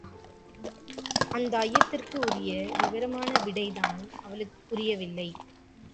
அந்த ஐயத்திற்கு உரிய விவரமான விடைதான் அவளுக்குப் புரியவில்லை!